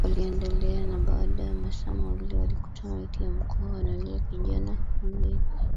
Waliendelea na baada ya masaa mawili walikuta maiti ya Mkwawa na yule kijana mwingine